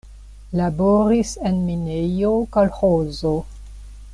Laboris en minejo, kolĥozo.